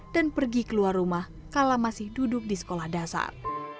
dan pergi keluar rumah kala masih duduk di sekolah dasar